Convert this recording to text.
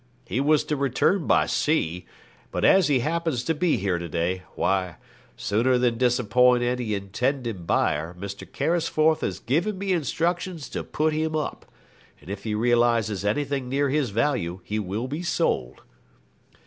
He was to return by sea; but as he happens to be here to day, why, sooner than disappoint any intending buyer, Mr. Carisforth has given me instructions to put him up, and if he realises anything near his value he will be sold.'